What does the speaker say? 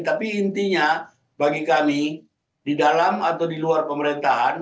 tapi intinya bagi kami di dalam atau di luar pemerintahan